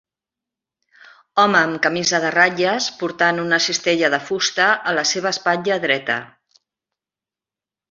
Home amb camisa de ratlles portant una cistella de fusta a la seva espatlla dreta.